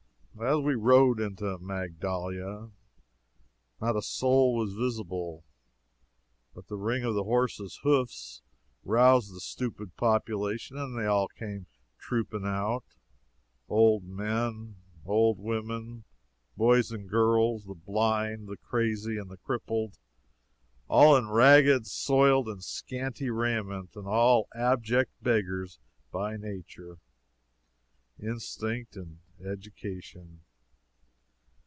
As we rode into Magdala not a soul was visible. But the ring of the horses' hoofs roused the stupid population, and they all came trooping out old men and old women, boys and girls, the blind, the crazy, and the crippled, all in ragged, soiled and scanty raiment, and all abject beggars by nature, instinct and education.